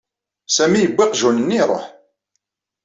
Sami yewwi aqjun-nni, iṛuḥ.